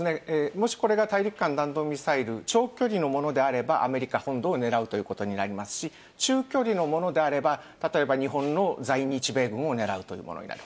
もしこれが大陸間弾道ミサイル、長距離のものであればアメリカ本土を狙うということになりますし、中距離のものであれば、例えば日本の在日米軍を狙うというものになる。